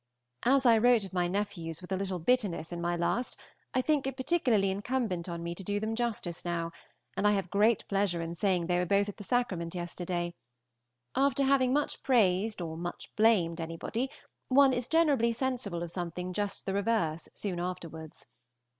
As I wrote of my nephews with a little bitterness in my last, I think it particularly incumbent on me to do them justice now, and I have great pleasure in saying that they were both at the Sacrament yesterday. After having much praised or much blamed anybody, one is generally sensible of something just the reverse soon afterwards.